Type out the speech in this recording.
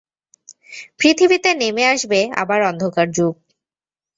পৃথিবীতে নেমে আসবে আবার অন্ধকার-যুগ।